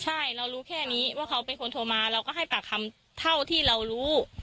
ใช่เรารู้แค่นี้ว่าเขาเป็นคนโทรมาเราก็ให้ปากคำเท่าที่เรารู้